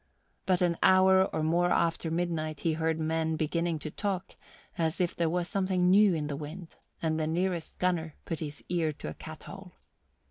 But an hour or more after midnight he heard men beginning to talk as if there was something new in the wind, and the nearest gunner put his ear to a cat hole.